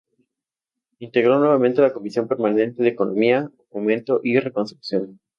Integró nuevamente la Comisión Permanente de Economía, Fomento y Reconstrucción.